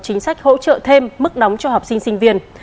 chính sách hỗ trợ thêm mức đóng cho học sinh sinh viên